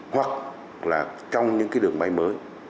hoặc là trong những đường bay mới